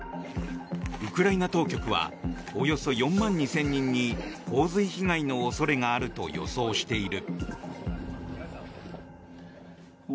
ウクライナ当局はおよそ４万２０００人に洪水被害の恐れがあると予想している。